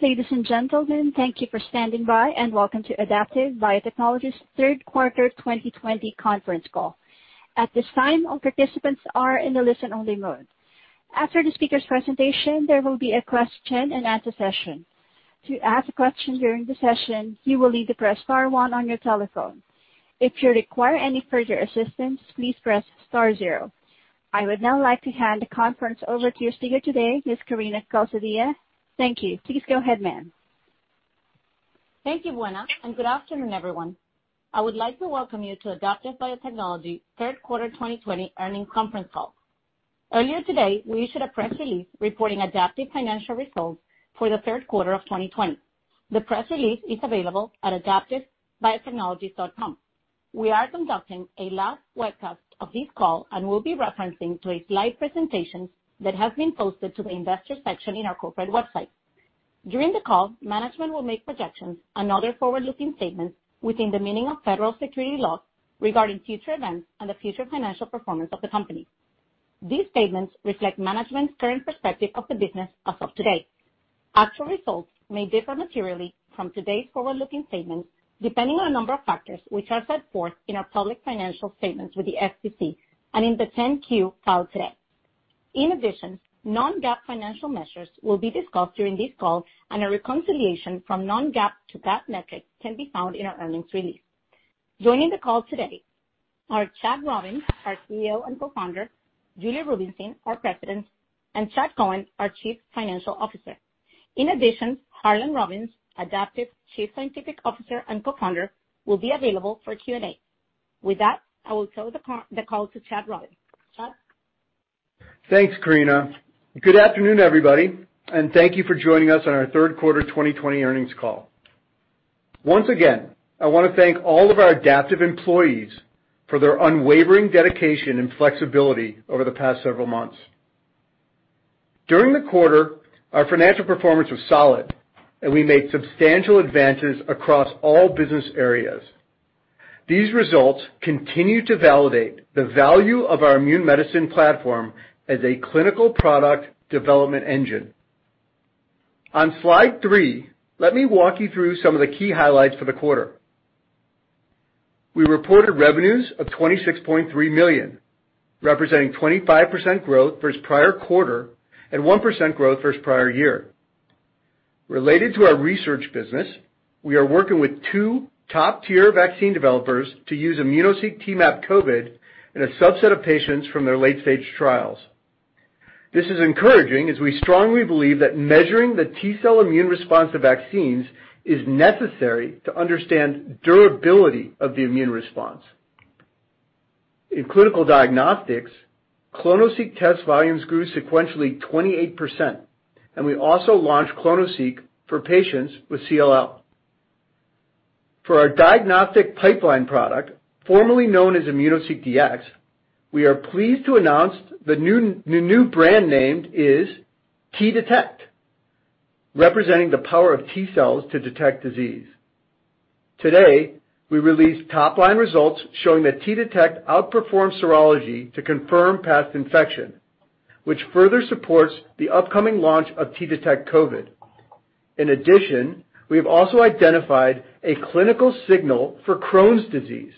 Ladies and gentlemen, thank you for standing by, and welcome to Adaptive Biotechnologies' third quarter 2020 conference call. At this time, all participants are in the listen-only mode. After the speakers' presentation, there will be a question and answer session. To ask a question during the session, you will need to press star one on your telephone. If you require any further assistance, please press star zero. I would now like to hand the conference over to your speaker today, Ms. Karina Calzadilla. Thank you. Please go ahead, ma'am. Thank you, Buena, good afternoon, everyone. I would like to welcome you to Adaptive Biotechnologies 3rd quarter 2020 earnings conference call. Earlier today, we issued a press release reporting Adaptive financial results for the 3rd quarter of 2020. The press release is available at adaptivebiotechnologies.com. We are conducting a live webcast of this call and will be referencing to a slide presentation that has been posted to the investor section in our corporate website. During the call, management will make projections and other forward-looking statements within the meaning of federal securities laws regarding future events and the future financial performance of the company. These statements reflect management's current perspective of the business as of today. Actual results may differ materially from today's forward-looking statements depending on a number of factors, which are set forth in our public financial statements with the SEC and in the 10-Q filed today. In addition, non-GAAP financial measures will be discussed during this call, and a reconciliation from non-GAAP to GAAP metrics can be found in our earnings release. Joining the call today are Chad Robins, our CEO and Co-founder, Julie Rubinstein, our President, and Chad Cohen, our Chief Financial Officer. In addition, Harlan Robins, Adaptive Chief Scientific Officer and Co-founder, will be available for Q&A. With that, I will turn the call to Chad Robins. Chad? Thanks, Karina. Good afternoon, everybody, and thank you for joining us on our third quarter 2020 earnings call. Once again, I want to thank all of our Adaptive employees for their unwavering dedication and flexibility over the past several months. During the quarter, our financial performance was solid, and we made substantial advances across all business areas. These results continue to validate the value of our immune medicine platform as a clinical product development engine. On slide three, let me walk you through some of the key highlights for the quarter. We reported revenues of $26.3 million, representing 25% growth versus prior quarter and 1% growth versus prior year. Related to our research business, we are working with two top-tier vaccine developers to use immunoSEQ T-MAP COVID in a subset of patients from their late-stage trials. This is encouraging, as we strongly believe that measuring the T-cell immune response to vaccines is necessary to understand durability of the immune response. In clinical diagnostics, clonoSEQ test volumes grew sequentially 28%, and we also launched clonoSEQ for patients with CLL. For our diagnostic pipeline product, formerly known as immunoSEQ Dx, we are pleased to announce the new brand name is T-Detect, representing the power of T cells to detect disease. Today, we released top-line results showing that T-Detect outperforms serology to confirm past infection, which further supports the upcoming launch of T-Detect COVID. In addition, we have also identified a clinical signal for Crohn's disease,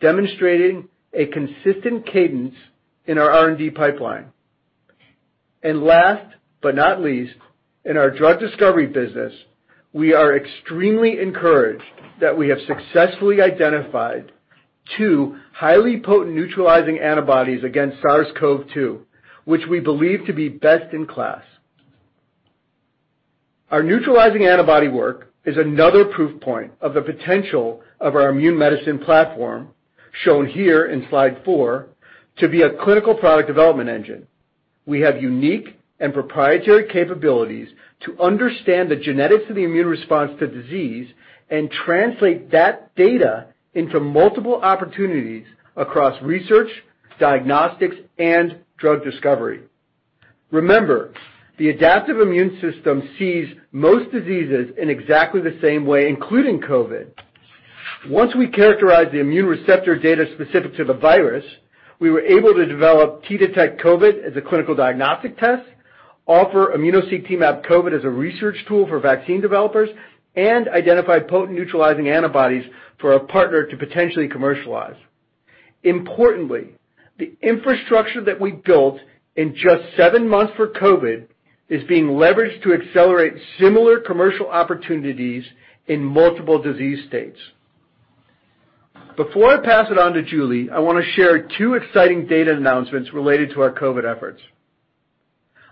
demonstrating a consistent cadence in our R&D pipeline. Last but not least, in our drug discovery business, we are extremely encouraged that we have successfully identified two highly potent neutralizing antibodies against SARS-CoV-2, which we believe to be best in class. Our neutralizing antibody work is another proof point of the potential of our immune medicine platform, shown here in slide four, to be a clinical product development engine. We have unique and proprietary capabilities to understand the genetics of the immune response to disease and translate that data into multiple opportunities across research, diagnostics, and drug discovery. Remember, the adaptive immune system sees most diseases in exactly the same way, including COVID. Once we characterize the immune receptor data specific to the virus, we were able to develop T-Detect COVID as a clinical diagnostic test, offer immunoSEQ T-MAP COVID as a research tool for vaccine developers, and identify potent neutralizing antibodies for a partner to potentially commercialize. The infrastructure that we built in just seven months for COVID is being leveraged to accelerate similar commercial opportunities in multiple disease states. Before I pass it on to Julie, I want to share two exciting data announcements related to our COVID efforts.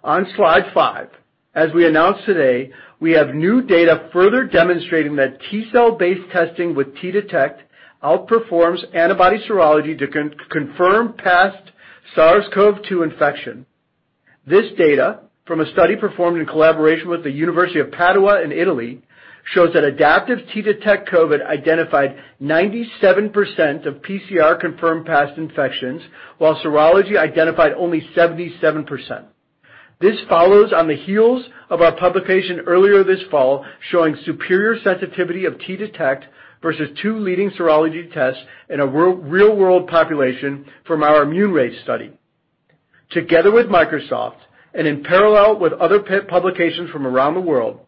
On slide five, as we announced today, we have new data further demonstrating that T cell-based testing with T-Detect outperforms antibody serology to confirm past SARS-CoV-2 infection. This data, from a study performed in collaboration with the University of Padua in Italy, shows that Adaptive's T-Detect COVID identified 97% of PCR-confirmed past infections, while serology identified only 77%. This follows on the heels of our publication earlier this fall showing superior sensitivity of T-Detect versus two leading serology tests in a real-world population from our ImmuneRACE study. Together with Microsoft and in parallel with other publications from around the world,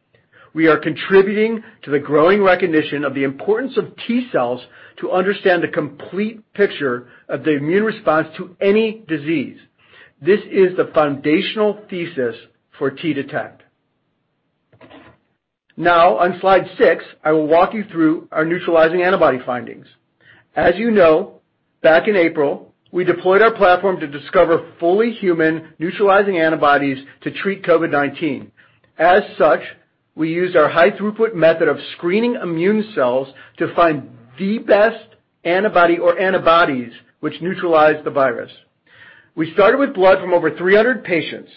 we are contributing to the growing recognition of the importance of T cells to understand the complete picture of the immune response to any disease. This is the foundational thesis for T-Detect. Now on slide six, I will walk you through our neutralizing antibody findings. As you know, back in April, we deployed our platform to discover fully human neutralizing antibodies to treat COVID-19. As such, we used our high throughput method of screening immune cells to find the best antibody or antibodies which neutralize the virus. We started with blood from over 300 patients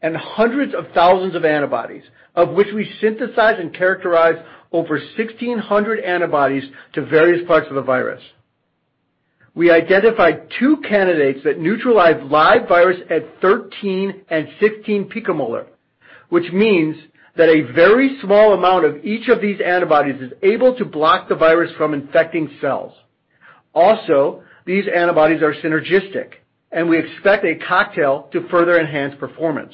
and hundreds of thousands of antibodies, of which we synthesize and characterize over 1,600 antibodies to various parts of the virus. We identified two candidates that neutralize live virus at 13 and 15 picomolar, which means that a very small amount of each of these antibodies is able to block the virus from infecting cells. Also, these antibodies are synergistic, and we expect a cocktail to further enhance performance.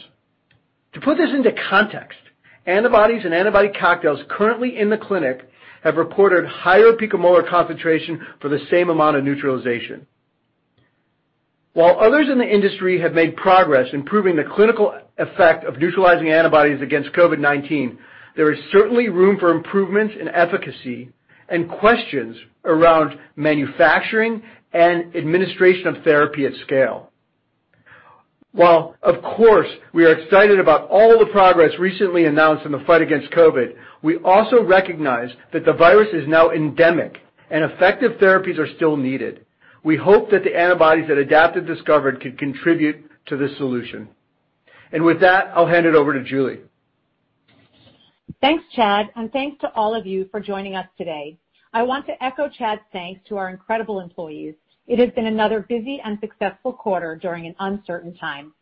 To put this into context, antibodies and antibody cocktails currently in the clinic have reported higher picomolar concentration for the same amount of neutralization. While others in the industry have made progress in proving the clinical effect of neutralizing antibodies against COVID-19, there is certainly room for improvement in efficacy and questions around manufacturing and administration of therapy at scale. While of course, we are excited about all the progress recently announced in the fight against COVID, we also recognize that the virus is now endemic and effective therapies are still needed. We hope that the antibodies that Adaptive discovered could contribute to this solution. With that, I'll hand it over to Julie. Thanks, Chad, thanks to all of you for joining us today. I want to echo Chad's thanks to our incredible employees. It has been another busy and successful quarter during an uncertain time.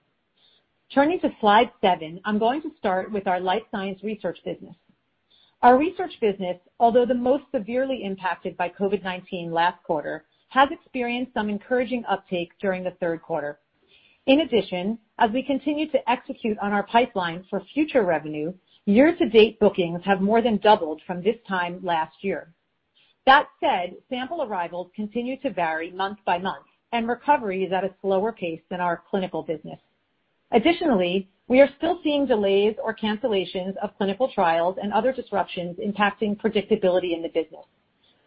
Turning to slide seven, I'm going to start with our life science research business. Our research business, although the most severely impacted by COVID-19 last quarter, has experienced some encouraging uptake during the third quarter. In addition, as we continue to execute on our pipeline for future revenue, year-to-date bookings have more than doubled from this time last year. That said, sample arrivals continue to vary month by month, and recovery is at a slower pace than our clinical business. Additionally, we are still seeing delays or cancellations of clinical trials and other disruptions impacting predictability in the business.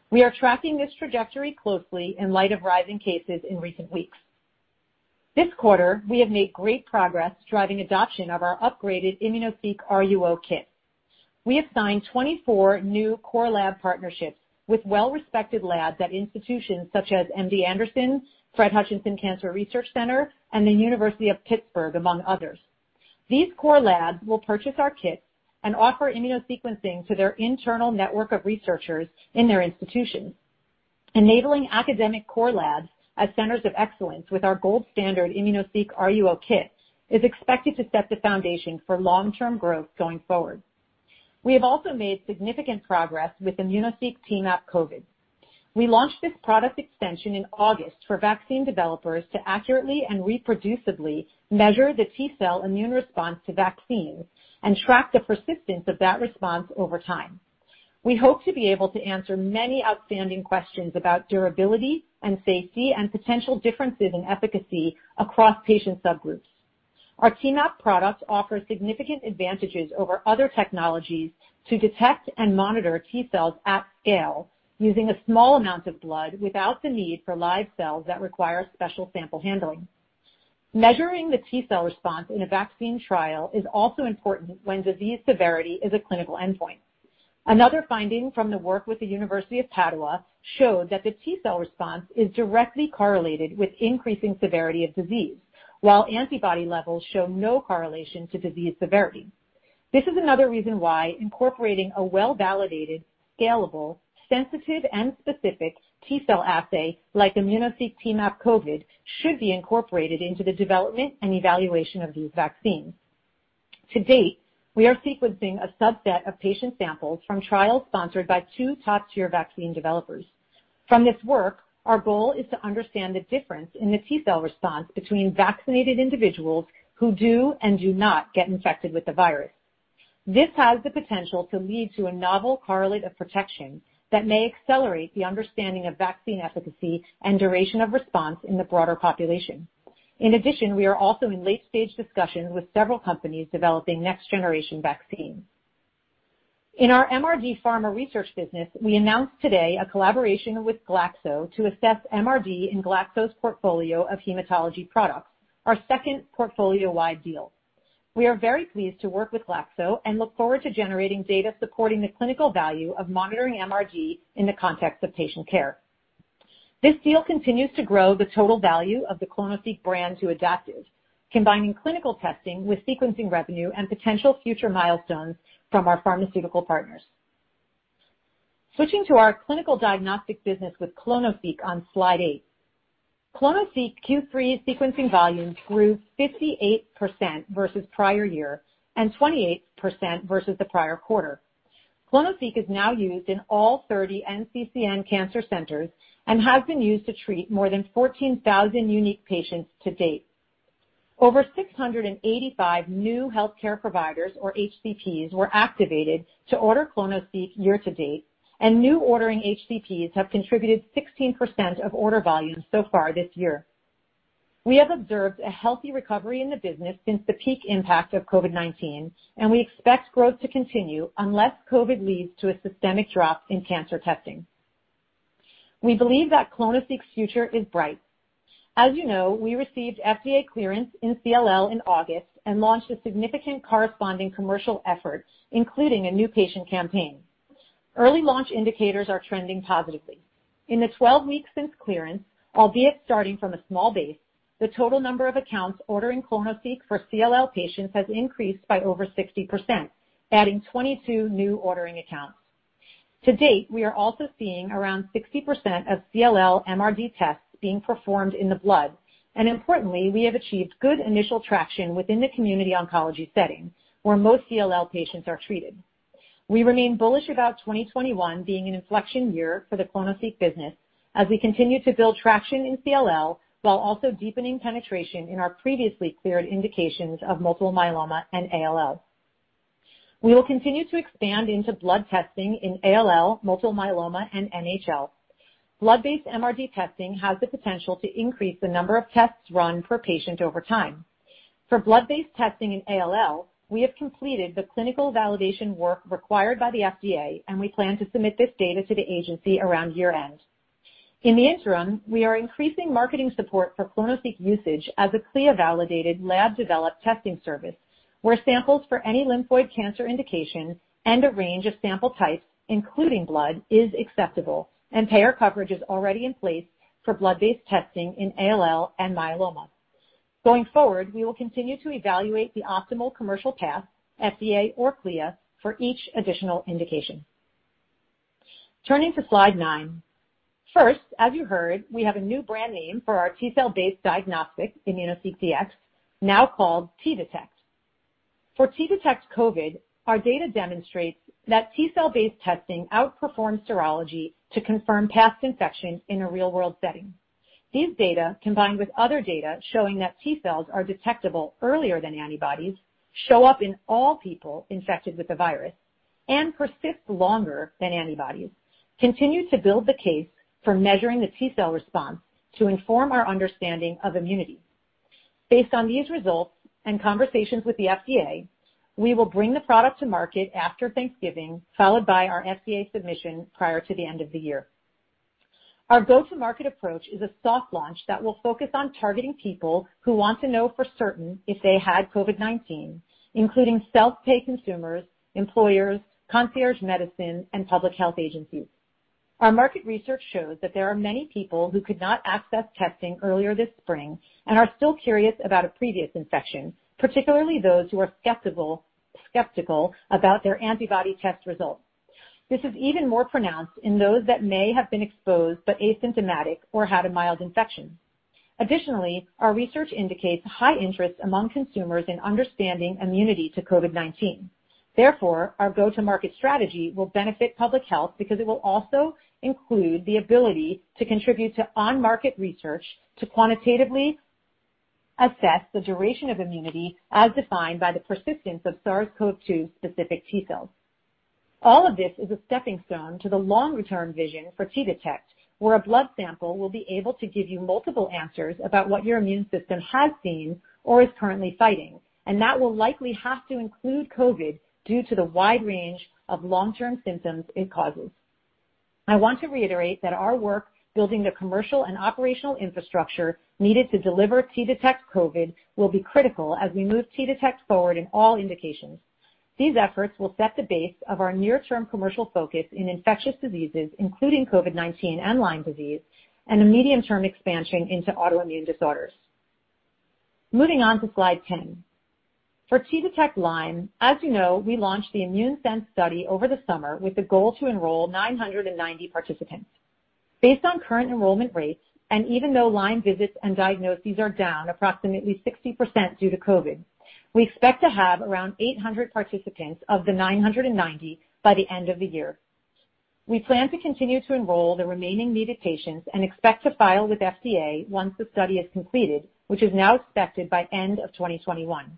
We are tracking this trajectory closely in light of rising cases in recent weeks. This quarter, we have made great progress driving adoption of our upgraded immunoSEQ RUO kit. We have signed 24 new core lab partnerships with well-respected labs at institutions such as MD Anderson, Fred Hutchinson Cancer Center, and the University of Pittsburgh, among others. These core labs will purchase our kits and offer immunosequencing to their internal network of researchers in their institutions, enabling academic core labs as centers of excellence with our gold standard immunoSEQ RUO kit is expected to set the foundation for long-term growth going forward. We have also made significant progress with immunoSEQ T-MAP COVID. We launched this product extension in August for vaccine developers to accurately and reproducibly measure the T-cell immune response to vaccines and track the persistence of that response over time. We hope to be able to answer many outstanding questions about durability and safety and potential differences in efficacy across patient subgroups. Our T-MAP products offer significant advantages over other technologies to detect and monitor T cells at scale, using a small amount of blood without the need for live cells that require special sample handling. Measuring the T cell response in a vaccine trial is also important when disease severity is a clinical endpoint. Another finding from the work with the University of Padua showed that the T cell response is directly correlated with increasing severity of disease, while antibody levels show no correlation to disease severity. This is another reason why incorporating a well-validated, scalable, sensitive, and specific T cell assay like immunoSEQ T-MAP COVID should be incorporated into the development and evaluation of these vaccines. To date, we are sequencing a subset of patient samples from trials sponsored by two top-tier vaccine developers. From this work, our goal is to understand the difference in the T-cell response between vaccinated individuals who do and do not get infected with the virus. This has the potential to lead to a novel correlate of protection that may accelerate the understanding of vaccine efficacy and duration of response in the broader population. In addition, we are also in late-stage discussions with several companies developing next-generation vaccines. In our MRD pharma research business, we announced today a collaboration with Glaxo to assess MRD in Glaxo's portfolio of hematology products, our second portfolio-wide deal. We are very pleased to work with Glaxo and look forward to generating data supporting the clinical value of monitoring MRD in the context of patient care. This deal continues to grow the total value of the clonoSEQ brand to Adaptive, combining clinical testing with sequencing revenue and potential future milestones from our pharmaceutical partners. Switching to our clinical diagnostic business with clonoSEQ on slide eight. clonoSEQ Q3 sequencing volumes grew 58% versus prior year and 28% versus the prior quarter. clonoSEQ is now used in all 30 NCCN cancer centers and has been used to treat more than 14,000 unique patients to date. Over 685 new HCPs were activated to order clonoSEQ year-to-date, and new ordering HCPs have contributed 16% of order volume so far this year. We have observed a healthy recovery in the business since the peak impact of COVID-19, and we expect growth to continue unless COVID leads to a systemic drop in cancer testing. We believe that clonoSEQ's future is bright. As you know, we received FDA clearance in CLL in August and launched a significant corresponding commercial effort, including a new patient campaign. Early launch indicators are trending positively. In the 12 weeks since clearance, albeit starting from a small base, the total number of accounts ordering clonoSEQ for CLL patients has increased by over 60%, adding 22 new ordering accounts. To date, we are also seeing around 60% of CLL MRD tests being performed in the blood, and importantly, we have achieved good initial traction within the community oncology setting, where most CLL patients are treated. We remain bullish about 2021 being an inflection year for the clonoSEQ business as we continue to build traction in CLL while also deepening penetration in our previously cleared indications of multiple myeloma and ALL. We will continue to expand into blood testing in ALL, multiple myeloma, and NHL. Blood-based MRD testing has the potential to increase the number of tests run per patient over time. For blood-based testing in ALL, we have completed the clinical validation work required by the FDA, we plan to submit this data to the agency around year-end. In the interim, we are increasing marketing support for clonoSEQ usage as a CLIA-validated, lab-developed testing service, where samples for any lymphoid cancer indication and a range of sample types, including blood, is acceptable, and payer coverage is already in place for blood-based testing in ALL and myeloma. Going forward, we will continue to evaluate the optimal commercial path, FDA or CLIA, for each additional indication. Turning to slide nine. First, as you heard, we have a new brand name for our T-cell based diagnostic immunoSEQ-T, now called T-Detect. For T-Detect COVID, our data demonstrates that T-cell based testing outperforms serology to confirm past infections in a real-world setting. These data, combined with other data showing that T-cells are detectable earlier than antibodies, show up in all people infected with the virus, and persist longer than antibodies, continue to build the case for measuring the T-cell response to inform our understanding of immunity. Based on these results and conversations with the FDA, we will bring the product to market after Thanksgiving, followed by our FDA submission prior to the end of the year. Our go-to-market approach is a soft launch that will focus on targeting people who want to know for certain if they had COVID-19, including self-pay consumers, employers, concierge medicine, and public health agencies. Our market research shows that there are many people who could not access testing earlier this spring and are still curious about a previous infection, particularly those who are skeptical about their antibody test results. This is even more pronounced in those that may have been exposed but asymptomatic or had a mild infection. Additionally, our research indicates high interest among consumers in understanding immunity to COVID-19. Therefore, our go-to-market strategy will benefit public health because it will also include the ability to contribute to on-market research to quantitatively assess the duration of immunity as defined by the persistence of SARS-CoV-2 specific T-cells. All of this is a stepping stone to the long-term vision for T-Detect, where a blood sample will be able to give you multiple answers about what your immune system has seen or is currently fighting, and that will likely have to include COVID due to the wide range of long-term symptoms it causes. I want to reiterate that our work building the commercial and operational infrastructure needed to deliver T-Detect COVID will be critical as we move T-Detect forward in all indications. These efforts will set the base of our near-term commercial focus in infectious diseases, including COVID-19 and Lyme disease, and a medium-term expansion into autoimmune disorders. Moving on to slide 10. For T-Detect Lyme, as you know, we launched the ImmuneSense study over the summer with the goal to enroll 990 participants. Based on current enrollment rates, and even though Lyme visits and diagnoses are down approximately 60% due to COVID, we expect to have around 800 participants of the 990 by the end of the year. We plan to continue to enroll the remaining needed patients and expect to file with FDA once the study is completed, which is now expected by end of 2021.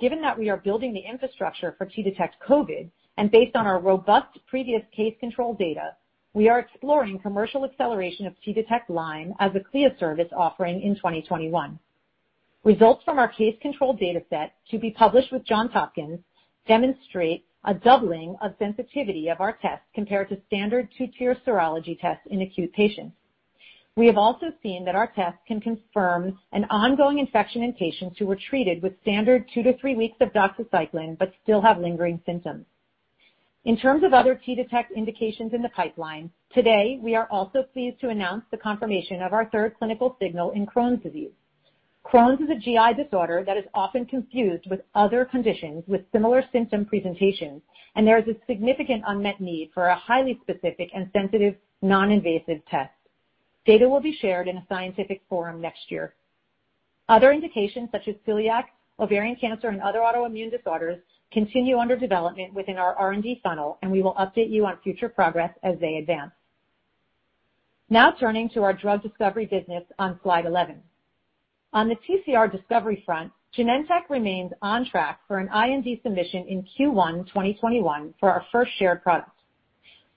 Given that we are building the infrastructure for T-Detect COVID and based on our robust previous case control data, we are exploring commercial acceleration of T-Detect Lyme as a CLIA service offering in 2021. Results from our case control dataset, to be published with Johns Hopkins, demonstrate a doubling of sensitivity of our test compared to standard two-tier serology tests in acute patients. We have also seen that our test can confirm an ongoing infection in patients who were treated with standard two to three weeks of doxycycline but still have lingering symptoms. In terms of other T-Detect indications in the pipeline, today, we are also pleased to announce the confirmation of our third clinical signal in Crohn's disease. Crohn's is a GI disorder that is often confused with other conditions with similar symptom presentations, and there is a significant unmet need for a highly specific and sensitive non-invasive test. Data will be shared in a scientific forum next year. Other indications, such as celiac disease, ovarian cancer, and other autoimmune disorders, continue under development within our R&D funnel, and we will update you on future progress as they advance. Now turning to our drug discovery business on slide 11. On the TCR discovery front, Genentech remains on track for an IND submission in Q1 2021 for our first shared product.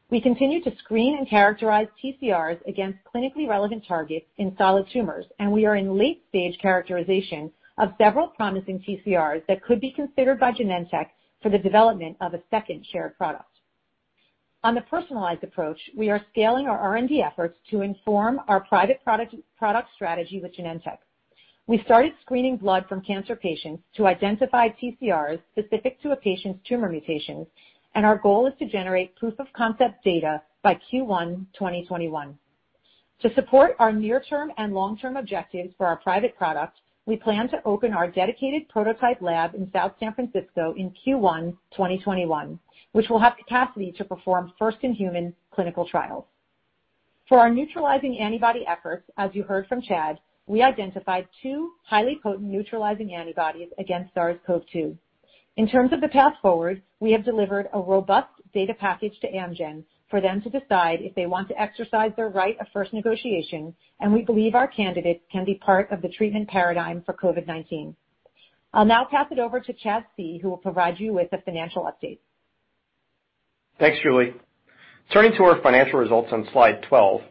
We continue to screen and characterize TCRs against clinically relevant targets in solid tumors, we are in late-stage characterization of several promising TCRs that could be considered by Genentech for the development of a second shared product. On the personalized approach, we are scaling our R&D efforts to inform our private product strategy with Genentech. We started screening blood from cancer patients to identify TCRs specific to a patient's tumor mutations, our goal is to generate proof-of-concept data by Q1 2021. To support our near-term and long-term objectives for our private product, we plan to open our dedicated prototype lab in South San Francisco in Q1 2021, which will have capacity to perform first-in-human clinical trials. For our neutralizing antibody efforts, as you heard from Chad, we identified two highly potent neutralizing antibodies against SARS-CoV-2. In terms of the path forward, we have delivered a robust data package to Amgen for them to decide if they want to exercise their right of first negotiation, and we believe our candidates can be part of the treatment paradigm for COVID-19. I'll now pass it over to Chad Cohen, who will provide you with the financial update. Thanks, Julie. Turning to our financial results on slide 12,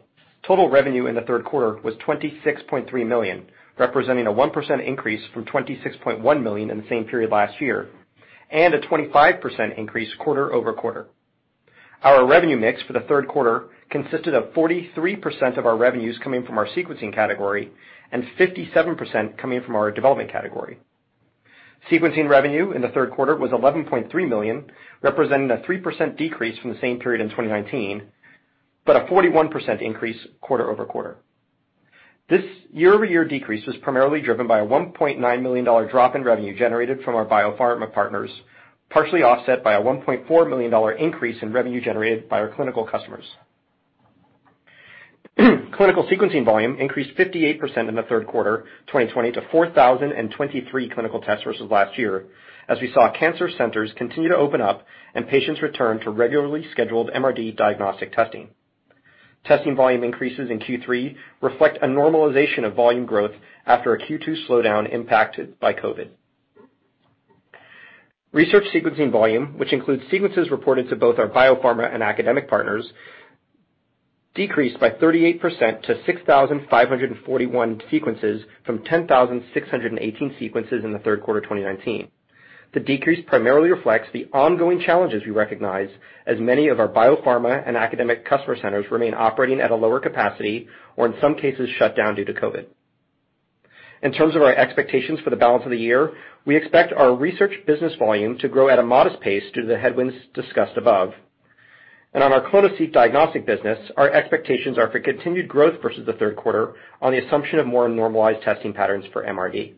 total revenue in the third quarter was $26.3 million, representing a 1% increase from $26.1 million in the same period last year, and a 25% increase quarter-over-quarter. Our revenue mix for the third quarter consisted of 43% of our revenues coming from our sequencing category and 57% coming from our development category. Sequencing revenue in the third quarter was $11.3 million, representing a 3% decrease from the same period in 2019, but a 41% increase quarter-over-quarter. This year-over-year decrease was primarily driven by a $1.9 million drop in revenue generated from our biopharma partners, partially offset by a $1.4 million increase in revenue generated by our clinical customers. Clinical sequencing volume increased 58% in the third quarter 2020 to 4,023 clinical tests versus last year, as we saw cancer centers continue to open up and patients return for regularly scheduled MRD diagnostic testing. Testing volume increases in Q3 reflect a normalization of volume growth after a Q2 slowdown impacted by COVID. Research sequencing volume, which includes sequences reported to both our biopharma and academic partners, decreased by 38% to 6,541 sequences from 10,618 sequences in the third quarter of 2019. The decrease primarily reflects the ongoing challenges we recognize as many of our biopharma and academic customer centers remain operating at a lower capacity or in some cases shut down due to COVID. In terms of our expectations for the balance of the year, we expect our research business volume to grow at a modest pace due to the headwinds discussed above. On our clonoSEQ diagnostic business, our expectations are for continued growth versus the third quarter on the assumption of more normalized testing patterns for MRD.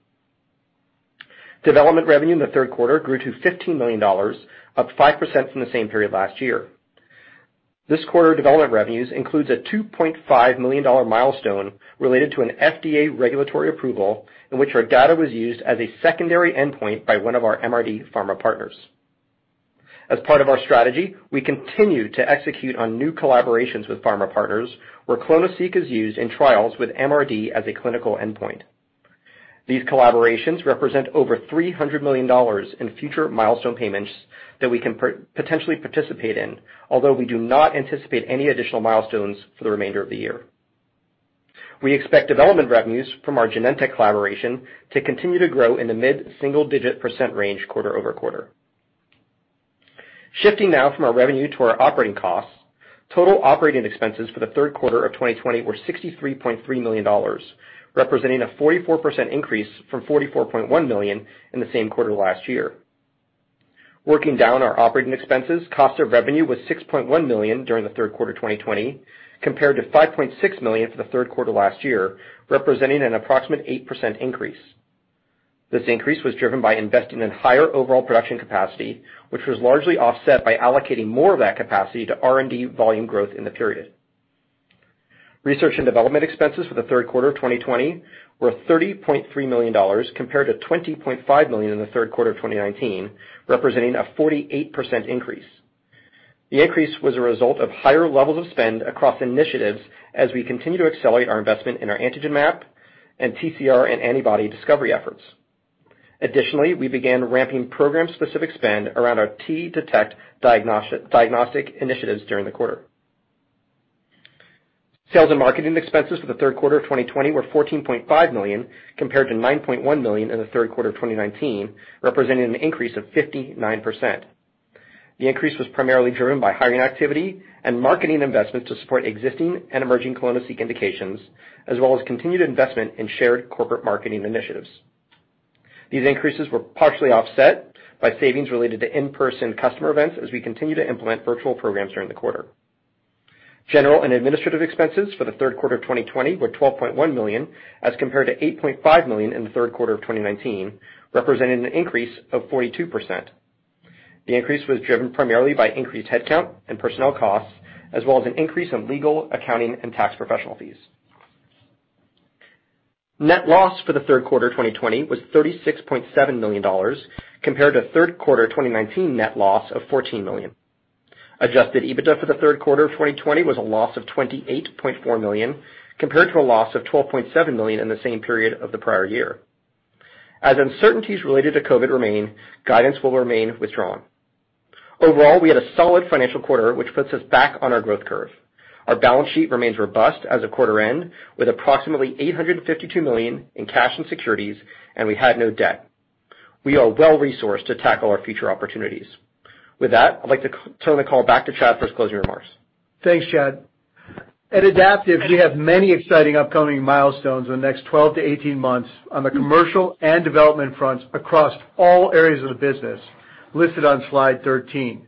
Development revenue in the third quarter grew to $15 million, up 5% from the same period last year. This quarter development revenues includes a $2.5 million milestone related to an FDA regulatory approval in which our data was used as a secondary endpoint by one of our MRD pharma partners. As part of our strategy, we continue to execute on new collaborations with pharma partners where clonoSEQ is used in trials with MRD as a clinical endpoint. These collaborations represent over $300 million in future milestone payments that we can potentially participate in, although we do not anticipate any additional milestones for the remainder of the year. We expect development revenues from our Genentech collaboration to continue to grow in the mid-single-digit % range quarter-over-quarter. Shifting now from our revenue to our operating costs, total operating expenses for the third quarter of 2020 were $63.3 million, representing a 44% increase from $44.1 million in the same quarter last year. Working down our operating expenses, cost of revenue was $6.1 million during the third quarter 2020, compared to $5.6 million for the third quarter last year, representing an approximate 8% increase. This increase was driven by investing in higher overall production capacity, which was largely offset by allocating more of that capacity to R&D volume growth in the period. Research and development expenses for the third quarter of 2020 were $30.3 million, compared to $20.5 million in the third quarter of 2019, representing a 48% increase. The increase was a result of higher levels of spend across initiatives as we continue to accelerate our investment in our antigen map and TCR and antibody discovery efforts. We began ramping program-specific spend around our T-Detect diagnostic initiatives during the quarter. Sales and marketing expenses for the third quarter of 2020 were $14.5 million, compared to $9.1 million in the third quarter of 2019, representing an increase of 59%. The increase was primarily driven by hiring activity and marketing investments to support existing and emerging clonoSEQ indications, as well as continued investment in shared corporate marketing initiatives. These increases were partially offset by savings related to in-person customer events as we continue to implement virtual programs during the quarter. General and administrative expenses for the third quarter of 2020 were $12.1 million as compared to $8.5 million in the third quarter of 2019, representing an increase of 42%. The increase was driven primarily by increased headcount and personnel costs, as well as an increase in legal, accounting, and tax professional fees. Net loss for the third quarter 2020 was $36.7 million, compared to third quarter 2019 net loss of $14 million. Adjusted EBITDA for the third quarter of 2020 was a loss of $28.4 million, compared to a loss of $12.7 million in the same period of the prior year. As uncertainties related to COVID remain, guidance will remain withdrawn. Overall, we had a solid financial quarter, which puts us back on our growth curve. Our balance sheet remains robust as of quarter end, with approximately $852 million in cash and securities, and we had no debt. We are well-resourced to tackle our future opportunities. With that, I'd like to turn the call back to Chad for his closing remarks. Thanks, Chad. At Adaptive, we have many exciting upcoming milestones in the next 12-18 months on the commercial and development fronts across all areas of the business, listed on slide 13.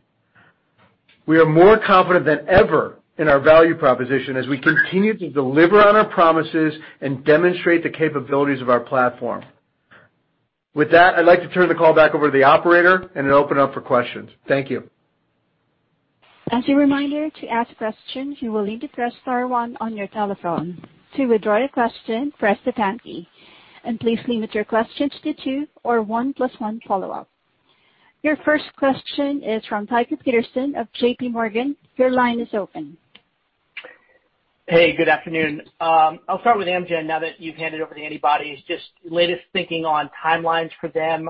We are more confident than ever in our value proposition as we continue to deliver on our promises and demonstrate the capabilities of our platform. With that, I'd like to turn the call back over to the operator and open up for questions. Thank you. As a reminder, to ask questions, you will need to press star one on your telephone. To withdraw your question, press the pound key. Please limit your questions to two or one plus one follow-up. Your first question is from Tycho Peterson of JPMorgan. Your line is open. Hey, good afternoon. I'll start with Amgen now that you've handed over the antibodies, just latest thinking on timelines for them.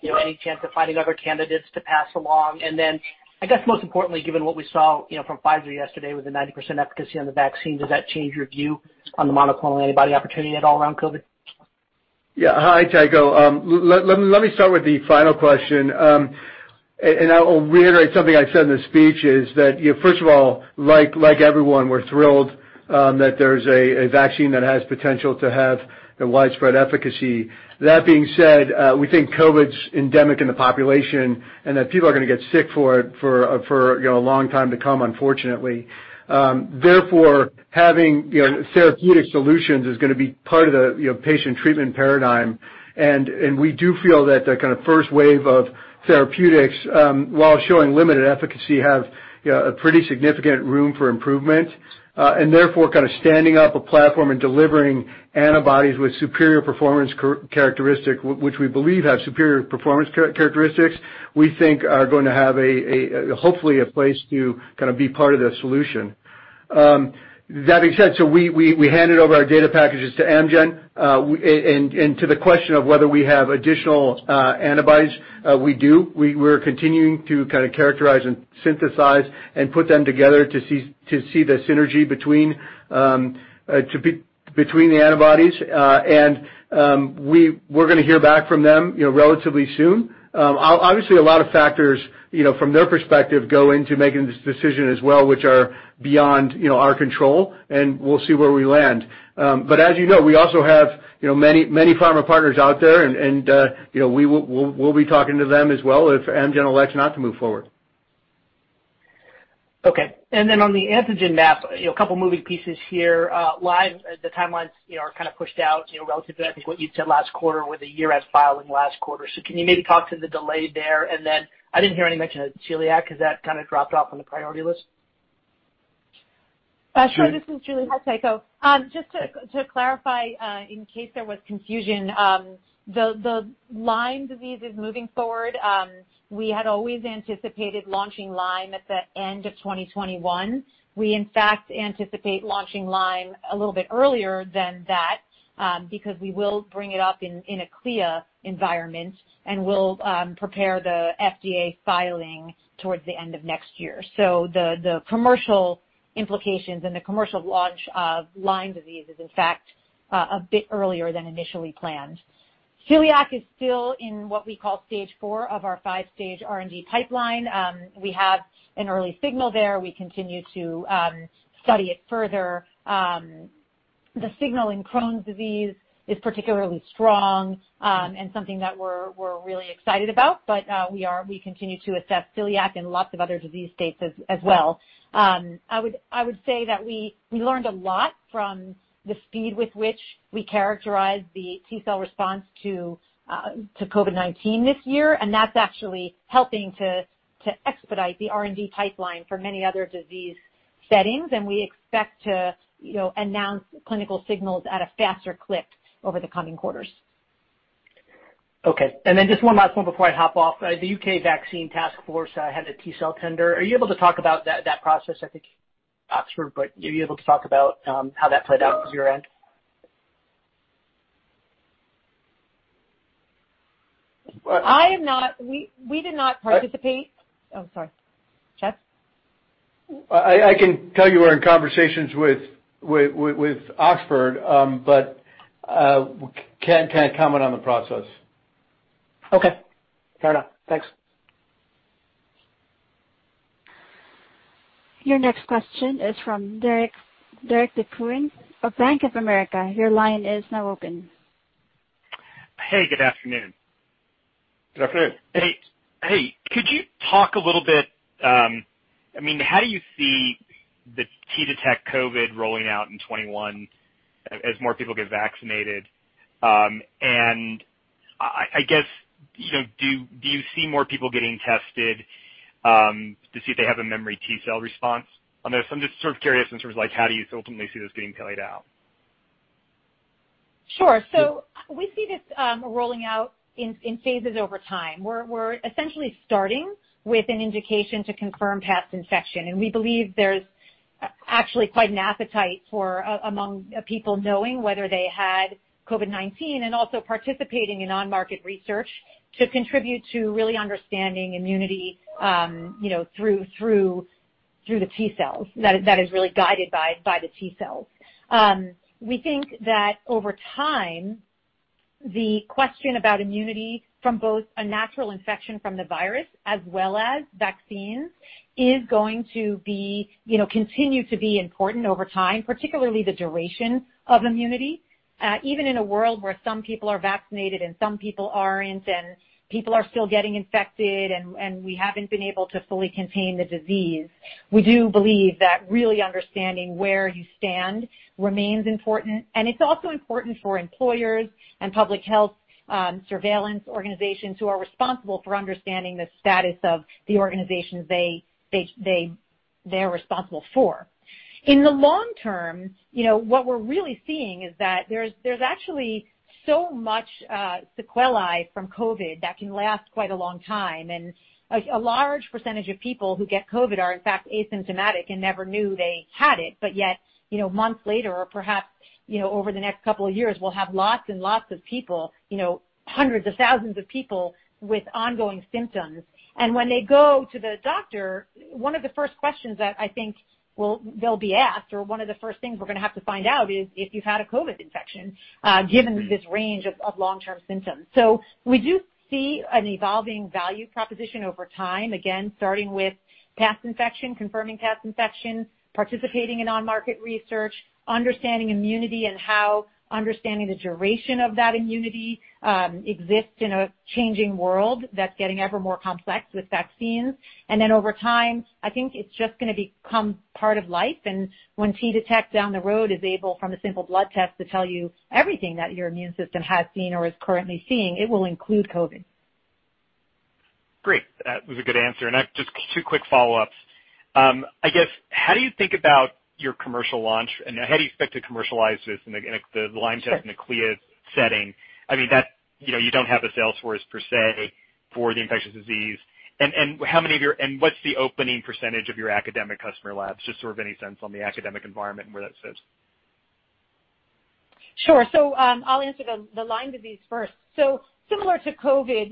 Any chance of finding other candidates to pass along? Then I guess most importantly, given what we saw from Pfizer yesterday with the 90% efficacy on the vaccine, does that change your view on the monoclonal antibody opportunity at all around COVID? Yeah. Hi, Tycho. Let me start with the final question. I will reiterate something I said in the speech is that, first of all, like everyone, we're thrilled that there's a vaccine that has potential to have a widespread efficacy. That being said, we think COVID's endemic in the population and that people are going to get sick for a long time to come, unfortunately. Therefore, having therapeutic solutions is going to be part of the patient treatment paradigm. We do feel that the first wave of therapeutics, while showing limited efficacy, have a pretty significant room for improvement. Therefore, standing up a platform and delivering antibodies with superior performance characteristic, which we believe have superior performance characteristics, we think are going to have hopefully a place to be part of the solution. That being said, we handed over our data packages to Amgen. To the question of whether we have additional antibodies, we do. We're continuing to characterize and synthesize and put them together to see the synergy between the antibodies. We're going to hear back from them relatively soon. Obviously, a lot of factors from their perspective go into making this decision as well, which are beyond our control, and we'll see where we land. As you know, we also have many pharma partners out there, and we'll be talking to them as well if Amgen elects not to move forward. Okay. On the T-MAP, a couple moving pieces here. Lyme, the timelines are kind of pushed out relative to, I think, what you'd said last quarter with a year as filing last quarter. Can you maybe talk to the delay there? I didn't hear any mention of celiac. Has that kind of dropped off on the priority list? Sure. Sure. This is Julie. Hi, Tycho. Just to clarify, in case there was confusion, the Lyme disease is moving forward. We had always anticipated launching Lyme at the end of 2021. We, in fact, anticipate launching Lyme a little bit earlier than that because we will bring it up in a CLIA environment, and we'll prepare the FDA filing towards the end of next year. The commercial implications and the commercial launch of Lyme disease is, in fact, a bit earlier than initially planned. Celiac is still in what we call Stage Four of our five-stage R&D pipeline. We have an early signal there. We continue to study it further. The signal in Crohn's disease is particularly strong and something that we're really excited about. We continue to assess celiac and lots of other disease states as well. I would say that we learned a lot from the speed with which we characterized the T-cell response to COVID-19 this year. That's actually helping to expedite the R&D pipeline for many other disease settings. We expect to announce clinical signals at a faster clip over the coming quarters. Okay. Just one last one before I hop off. The UK Vaccine Taskforce had a T-cell tender. Are you able to talk about that process? I think Oxford, are you able to talk about how that played out from your end? We did not participate. Oh, sorry. Chad? I can tell you we're in conversations with Oxford, but can't comment on the process. Okay. Fair enough. Thanks. Your next question is from Derik De Bruin of Bank of America. Your line is now open. Hey, good afternoon. Good afternoon. Hey. Could you talk a little bit, how do you see the T-Detect COVID rolling out in 2021 as more people get vaccinated? I guess, do you see more people getting tested, to see if they have a memory T-cell response? I'm just sort of curious in terms of how do you ultimately see this being played out? Sure. We see this rolling out in phases over time. We're essentially starting with an indication to confirm past infection, and we believe there's actually quite an appetite among people knowing whether they had COVID-19 and also participating in on-market research to contribute to really understanding immunity, through the T cells, that is really guided by the T cells. We think that over time, the question about immunity from both a natural infection from the virus as well as vaccines is going to continue to be important over time, particularly the duration of immunity. Even in a world where some people are vaccinated and some people aren't, and people are still getting infected, and we haven't been able to fully contain the disease. We do believe that really understanding where you stand remains important, and it's also important for employers and public health surveillance organizations who are responsible for understanding the status of the organizations they're responsible for. In the long term, what we're really seeing is that there's actually so much sequelae from COVID that can last quite a long time, and a large percentage of people who get COVID are, in fact, asymptomatic and never knew they had it. Yet, months later, or perhaps over the next couple of years, we'll have lots and lots of people, hundreds of thousands of people with ongoing symptoms. When they go to the doctor, one of the first questions that I think they'll be asked or one of the first things we're going to have to find out is if you've had a COVID infection, given this range of long-term symptoms. We do see an evolving value proposition over time, again, starting with past infection, confirming past infection, participating in on-market research, understanding immunity and how understanding the duration of that immunity exists in a changing world that's getting ever more complex with vaccines. Over time, I think it's just going to become part of life. When T-Detect down the road is able, from a simple blood test, to tell you everything that your immune system has seen or is currently seeing, it will include COVID. Great. That was a good answer. I've just two quick follow-ups. I guess, how do you think about your commercial launch, and how do you expect to commercialize this in the Lyme test in a CLIA setting? You don't have a sales force per se for the infectious disease, and what's the opening percentage of your academic customer labs? Just sort of any sense on the academic environment and where that sits. Sure. I'll answer the Lyme disease first. Similar to COVID,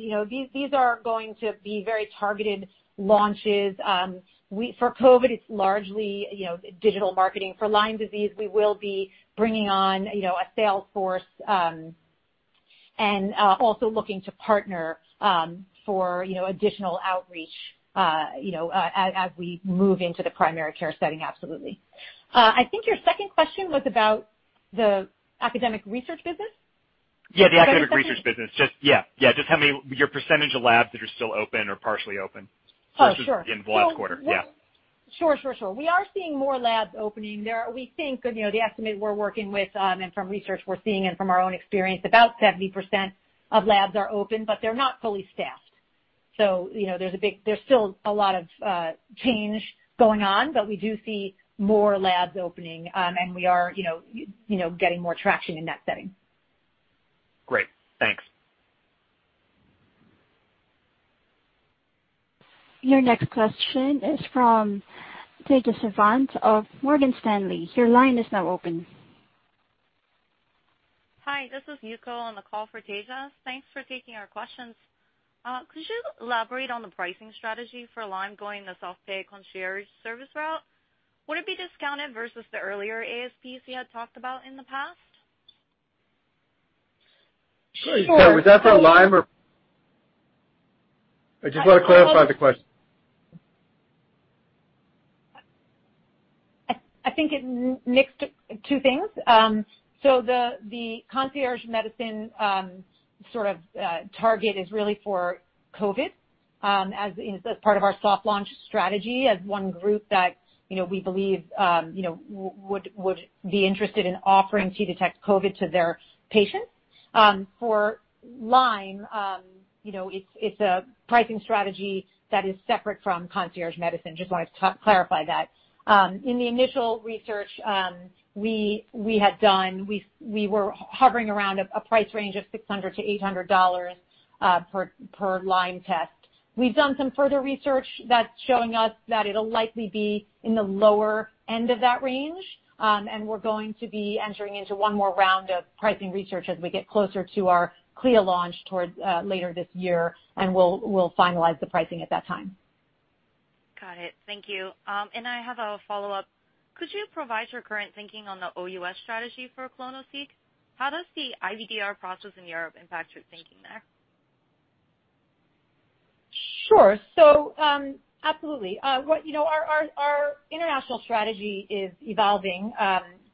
these are going to be very targeted launches. For COVID, it's largely digital marketing. For Lyme disease, we will be bringing on a sales force, and also looking to partner for additional outreach as we move into the primary care setting, absolutely. I think your second question was about the academic research business? Yeah, the academic research business. Yeah. Just your percentage of labs that are still open or partially open? Oh, sure. In the last quarter. Yeah. Sure. We are seeing more labs opening there. We think, the estimate we're working with, and from research we're seeing and from our own experience, about 70% of labs are open, but they're not fully staffed. There's still a lot of change going on, but we do see more labs opening, and we are getting more traction in that setting. Great, thanks. Your next question is from Tejas Savant of Morgan Stanley. Your line is now open. Hi, this is Yuko on the call for Tejas. Thanks for taking our questions. Could you elaborate on the pricing strategy for Lyme going the soft pay concierge service route? Would it be discounted versus the earlier ASPs you had talked about in the past? Sure- Was that for Lyme, or I just want to clarify the question. I think it mixed two things. The concierge medicine sort of target is really for COVID, as part of our soft launch strategy as one group that we believe would be interested in offering T-Detect COVID to their patients. For Lyme, it's a pricing strategy that is separate from concierge medicine. Just wanted to clarify that. In the initial research we had done, we were hovering around a price range of $600-$800 per Lyme test. We've done some further research that's showing us that it'll likely be in the lower end of that range. We're going to be entering into one more round of pricing research as we get closer to our CLIA launch towards later this year, and we'll finalize the pricing at that time. Got it. Thank you. I have a follow-up. Could you provide your current thinking on the OUS strategy for clonoSEQ? How does the IVDR process in Europe impact your thinking there? Sure. Absolutely. Our international strategy is evolving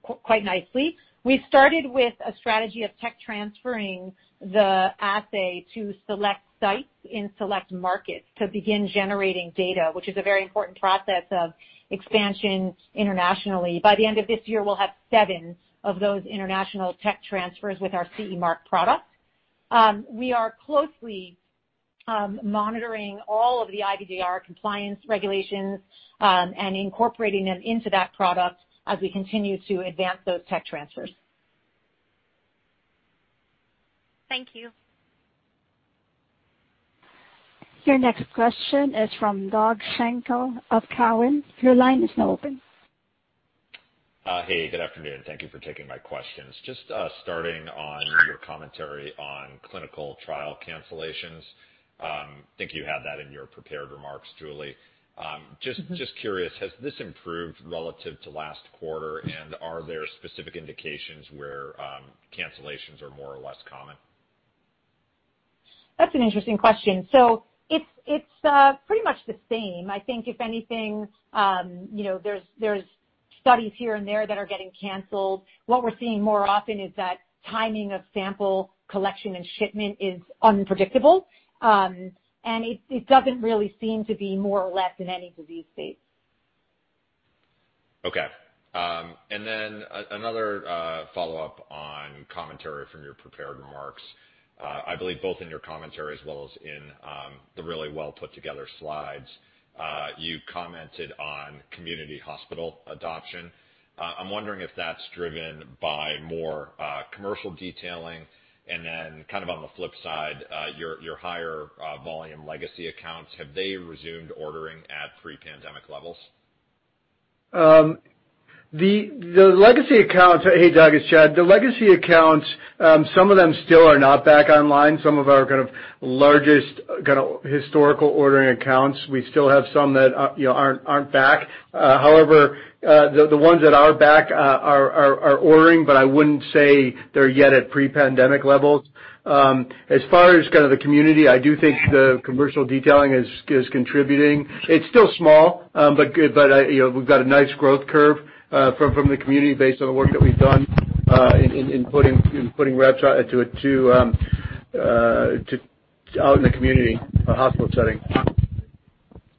quite nicely. We started with a strategy of tech transferring the assay to select sites in select markets to begin generating data, which is a very important process of expansion internationally. By the end of this year, we'll have seven of those international tech transfers with our CE mark product. We are closely monitoring all of the IVDR compliance regulations and incorporating them into that product as we continue to advance those tech transfers. Thank you. Your next question is from Doug Schenkel of Cowen. Your line is now open. Hey, good afternoon. Thank you for taking my questions. Just starting on your commentary on clinical trial cancellations. I think you had that in your prepared remarks, Julie. Just curious, has this improved relative to last quarter? Are there specific indications where cancellations are more or less common? That's an interesting question. It's pretty much the same. I think if anything, there's studies here and there that are getting canceled. What we're seeing more often is that timing of sample collection and shipment is unpredictable. It doesn't really seem to be more or less in any disease state. Okay. Another follow-up on commentary from your prepared remarks. I believe both in your commentary as well as in the really well-put-together slides, you commented on community hospital adoption. I'm wondering if that's driven by more commercial detailing and then kind of on the flip side, your higher volume legacy accounts, have they resumed ordering at pre-pandemic levels? Hey, Doug, it's Chad. The legacy accounts, some of them still are not back online. Some of our largest historical ordering accounts, we still have some that aren't back. The ones that are back are ordering, but I wouldn't say they're yet at pre-pandemic levels. As far as the community, I do think the commercial detailing is contributing. It's still small, but we've got a nice growth curve from the community based on the work that we've done in putting RevTrac out in the community, a hospital setting.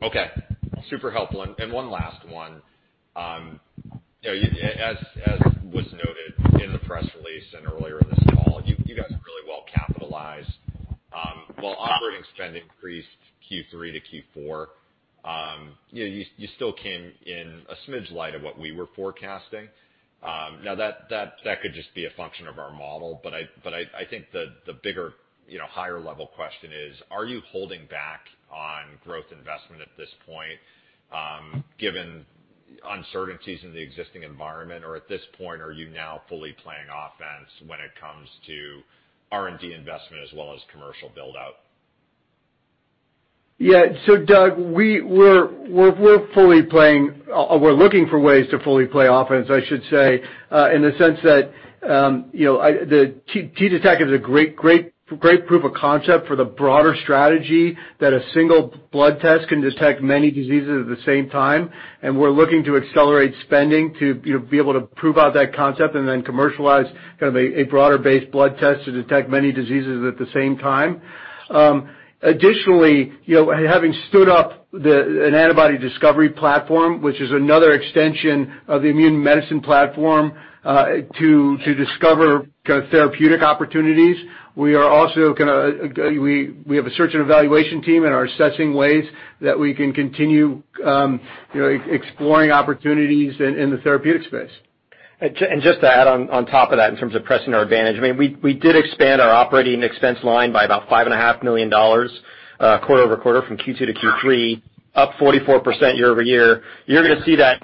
Okay. Super helpful. One last one. As was noted in the press release and earlier in this call, you guys are really well capitalized. While operating spend increased Q3 to Q4, you still came in a smidge light of what we were forecasting. That could just be a function of our model. I think the bigger, higher level question is, are you holding back on growth investment at this point given uncertainties in the existing environment? At this point, are you now fully playing offense when it comes to R&D investment as well as commercial build-out? Doug, we're looking for ways to fully play offense, I should say, in the sense that T-Detect is a great proof of concept for the broader strategy that a single blood test can detect many diseases at the same time. We're looking to accelerate spending to be able to prove out that concept and then commercialize kind of a broader-based blood test to detect many diseases at the same time. Additionally, having stood up an antibody discovery platform, which is another extension of the immune medicine platform to discover therapeutic opportunities, we have a search and evaluation team and are assessing ways that we can continue exploring opportunities in the therapeutic space. Just to add on top of that in terms of pressing our advantage, we did expand our operating expense line by about $5.5 million quarter-over-quarter from Q2 to Q3, up 44% year-over-year. You're going to see that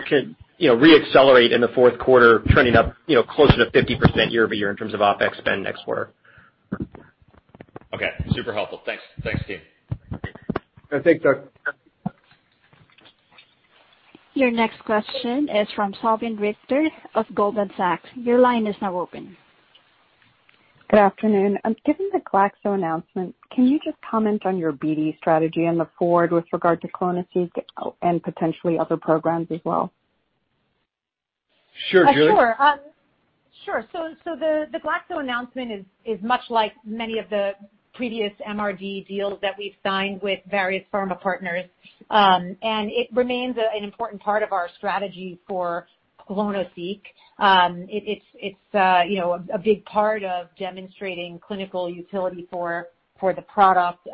re-accelerate in the fourth quarter, trending up closer to 50% year-over-year in terms of OPEX spend next quarter. Okay. Super helpful. Thanks. Thanks, team. Thanks, Doug. Your next question is from Salveen Richter of Goldman Sachs. Good afternoon. Given the GlaxoSmithKline announcement, can you just comment on your BD strategy and the forward with regard to clonoSEQ and potentially other programs as well? Sure, Julie. The GlaxoSmithKline announcement is much like many of the previous MRD deals that we've signed with various pharma partners. It remains an important part of our strategy for clonoSEQ. It's a big part of demonstrating clinical utility for the product.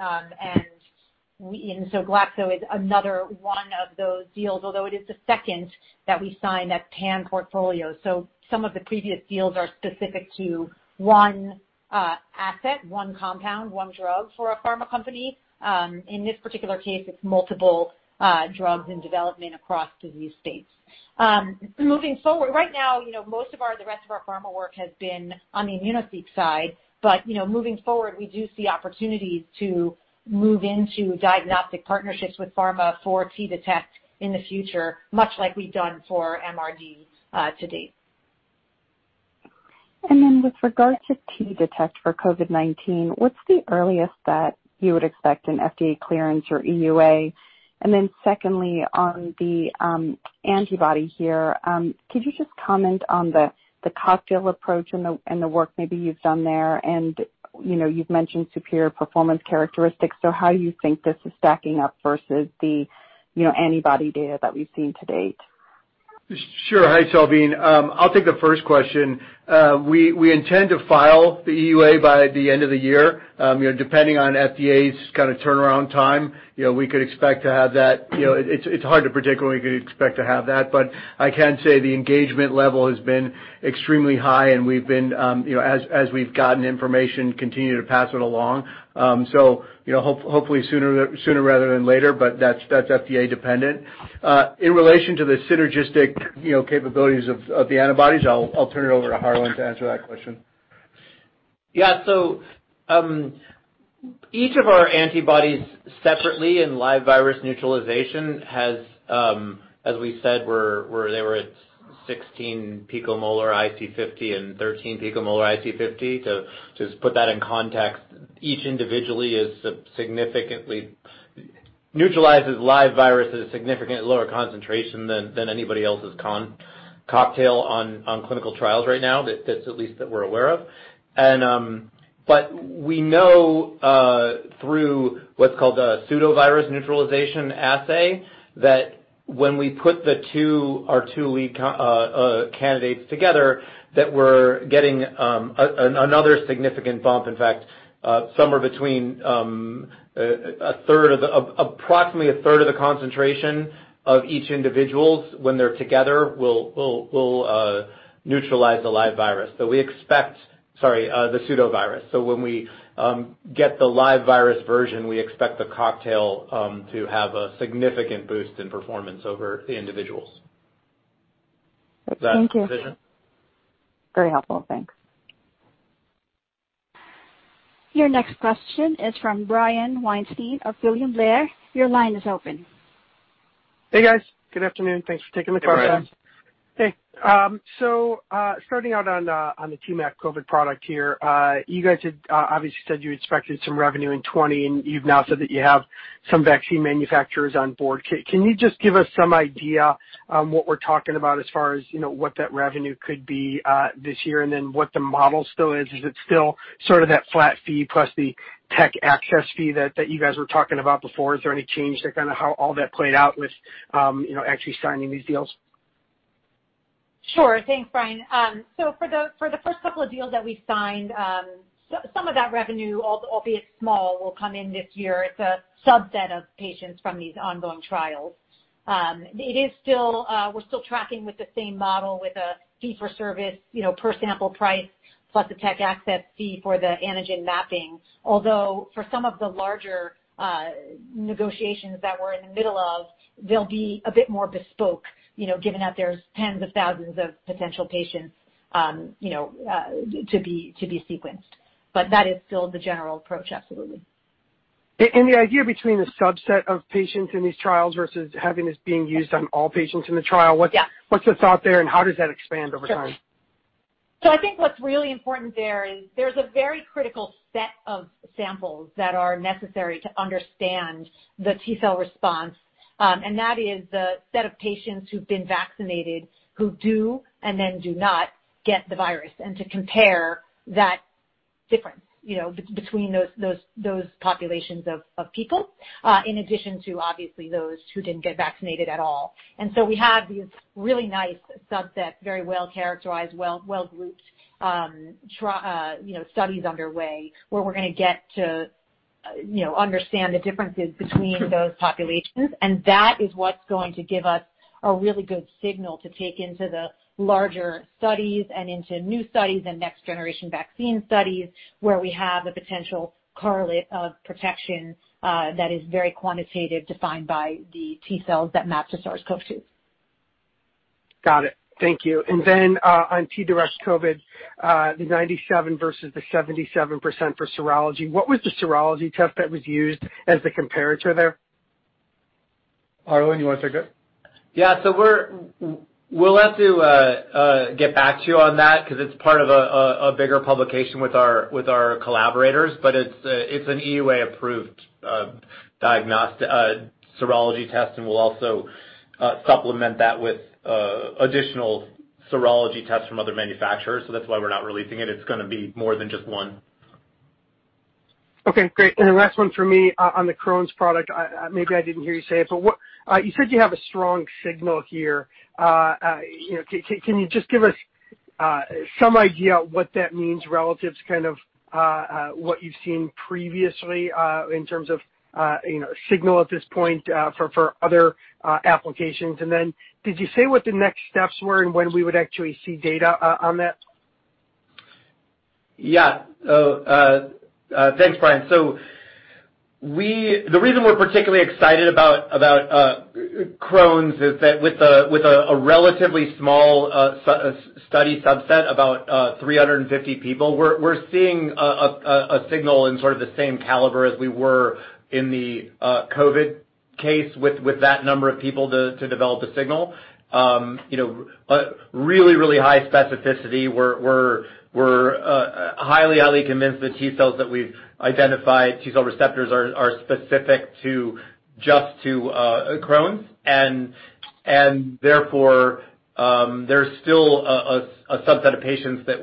GlaxoSmithKline is another one of those deals, although it is the second that we signed that pan-portfolio. Some of the previous deals are specific to one asset, one compound, one drug for a pharma company. In this particular case, it's multiple drugs in development across disease states. Moving forward, right now, most of the rest of our pharma work has been on the immunoSEQ side. Moving forward, we do see opportunities to move into diagnostic partnerships with pharma for T-Detect in the future, much like we've done for MRD to date. With regard to T-Detect for COVID-19, what's the earliest that you would expect an FDA clearance or EUA? Secondly, on the antibody here, could you just comment on the cocktail approach and the work maybe you've done there, and you've mentioned superior performance characteristics. How do you think this is stacking up versus the antibody data that we've seen to date? Sure. Hi, Salveen. I'll take the first question. We intend to file the EUA by the end of the year. Depending on FDA's kind of turnaround time, we could expect to have that. It's hard to predict when we could expect to have that, but I can say the engagement level has been extremely high, and we've been, as we've gotten information, continue to pass it along. Hopefully sooner rather than later, but that's FDA dependent. In relation to the synergistic capabilities of the antibodies, I'll turn it over to Harlan to answer that question. Yeah. Each of our antibodies separately in live virus neutralization has, as we said, they were at 16 picomolar IC50 and 13 picomolar IC50. To just put that in context, each individually significantly neutralizes live virus at a significantly lower concentration than anybody else's con cocktail on clinical trials right now that's at least that we're aware of. We know through what's called a pseudovirus neutralization assay, that when we put our two lead candidates together, that we're getting another significant bump. In fact, somewhere between approximately a third of the concentration of each individual when they're together will neutralize the live virus. Sorry, the pseudovirus. When we get the live virus version, we expect the cocktail to have a significant boost in performance over the individuals. Thank you. Does that answer the question? Very helpful. Thanks. Your next question is from Brian Weinstein of William Blair. Your line is open. Hey, guys. Good afternoon. Thanks for taking the call. Brian. Hey. Starting out on the T-MAP COVID product here. You guys had obviously said you expected some revenue in 2020, and you've now said that you have some vaccine manufacturers on board. Can you just give us some idea on what we're talking about as far as what that revenue could be this year and then what the model still is? Is it still sort of that flat fee plus the tech access fee that you guys were talking about before? Is there any change to kind of how all that played out with actually signing these deals? Thanks, Brian. For the first couple of deals that we signed, some of that revenue, albeit small, will come in this year. It's a subset of patients from these ongoing trials. We're still tracking with the same model with a fee for service, per sample price plus a tech access fee for the antigen mapping. For some of the larger negotiations that we're in the middle of, they'll be a bit more bespoke, given that there's tens of thousands of potential patients to be sequenced. That is still the general approach, absolutely. The idea between the subset of patients in these trials versus having this being used on all patients in the trial. Yeah what's the thought there, and how does that expand over time? Sure. I think what's really important there is there's a very critical set of samples that are necessary to understand the T-cell response, and that is the set of patients who've been vaccinated who do and then do not get the virus, and to compare that difference between those populations of people, in addition to obviously those who didn't get vaccinated at all. We have these really nice subset, very well characterized, well-grouped studies underway where we're going to get to understand the differences between those populations, and that is what's going to give us a really good signal to take into the larger studies and into new studies and next generation vaccine studies where we have a potential correlate of protection that is very quantitative, defined by the T cells that map to SARS-CoV-2. Got it. Thank you. On T-Detect COVID, the 97 versus the 77% for serology, what was the serology test that was used as the comparator there? Harlan, you want to take it? Yeah. We'll have to get back to you on that because it's part of a bigger publication with our collaborators, but it's an EUA-approved diagnostic serology test, and we'll also supplement that with additional serology tests from other manufacturers. That's why we're not releasing it. It's going to be more than just one. Okay, great. The last one for me on the Crohn's product, maybe I didn't hear you say it, but you said you have a strong signal here. Can you just give us some idea what that means relative to kind of what you've seen previously in terms of signal at this point for other applications? Did you say what the next steps were and when we would actually see data on that? Thanks, Brian. The reason we're particularly excited about Crohn's is that with a relatively small study subset, about 350 people, we're seeing a signal in sort of the same caliber as we were in the COVID case with that number of people to develop a signal. Really high specificity. We're highly convinced the T cells that we've identified, T cell receptors, are specific just to Crohn's. Therefore, there's still a subset of patients that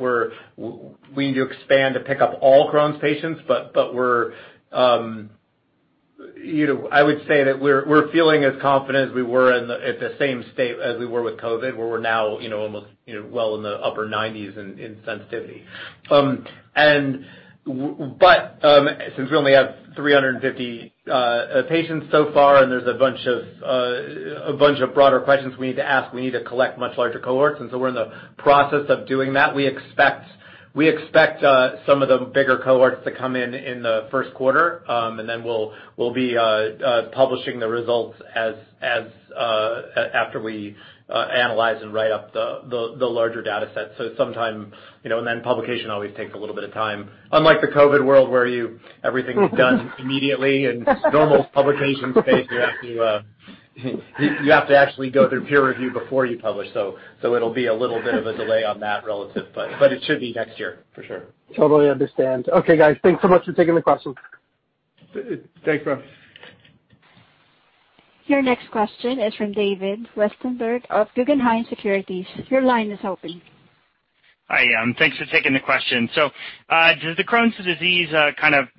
we need to expand to pick up all Crohn's patients. I would say that we're feeling as confident as we were at the same state as we were with COVID, where we're now almost well in the upper 90s in sensitivity. Since we only have 350 patients so far, and there's a bunch of broader questions we need to ask, we need to collect much larger cohorts. We're in the process of doing that. We expect some of the bigger cohorts to come in in the first quarter, and then we'll be publishing the results after we analyze and write up the larger data set. Publication always takes a little bit of time. Unlike the COVID world, where everything's done immediately, in normal publication space, you have to actually go through peer review before you publish. It'll be a little bit of a delay on that relative, but it should be next year, for sure. Totally understand. Okay, guys. Thanks so much for taking the question. Thanks, Brian. Your next question is from David Westenberg of Guggenheim Securities. Your line is open. Hi, thanks for taking the question. Does the Crohn's disease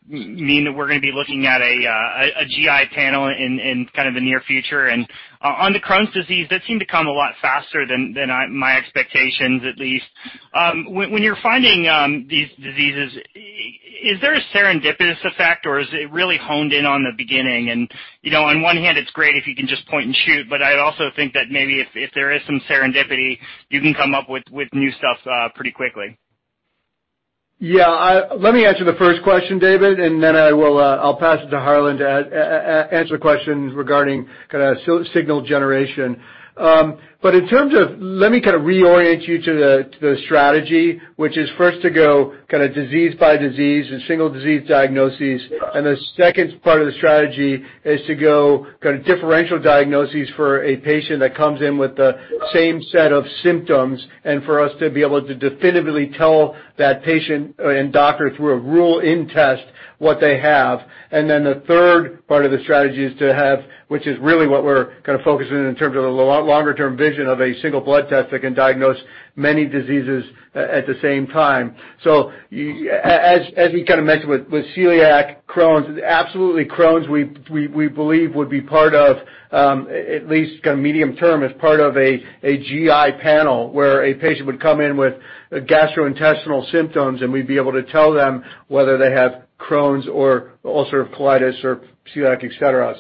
mean that we're going to be looking at a GI panel in the near future? On the Crohn's disease, that seemed to come a lot faster than my expectations, at least. When you're finding these diseases, is there a serendipitous effect, or is it really honed in on the beginning? On one hand, it's great if you can just point and shoot. I'd also think that maybe if there is some serendipity, you can come up with new stuff pretty quickly. Yeah. Let me answer the first question, David, and then I'll pass it to Harlan to answer questions regarding signal generation. Let me reorient you to the strategy, which is first to go disease by disease and single disease diagnoses. The second part of the strategy is to go differential diagnoses for a patient that comes in with the same set of symptoms, and for us to be able to definitively tell that patient and doctor through a rule-in test what they have. The third part of the strategy, which is really what we're focusing on in terms of the longer-term vision of a single blood test that can diagnose many diseases at the same time. As we mentioned with celiac, Crohn's. Absolutely, Crohn's, we believe would be part of, at least medium-term, as part of a GI panel where a patient would come in with gastrointestinal symptoms, and we'd be able to tell them whether they have Crohn's or ulcerative colitis or celiac, et cetera.